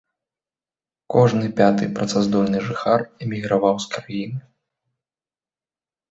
Кожны пяты працаздольны жыхар эміграваў з краіны.